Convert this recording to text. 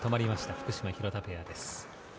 福島、廣田ペアです。